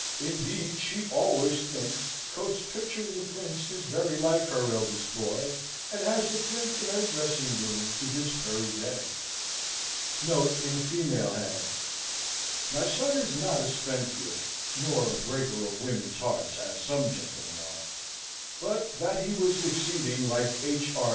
Indeed, she always think Coates's picture of the Prince is very like her eldest boy, and has the print in her dressing room to this very day. [Note, in a female hand: "My son is not a spendthrift, nor a breaker of women's hearts, as some gentlemen are; but that he was exceeding like H.R.